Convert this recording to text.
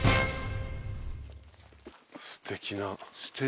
すてきな。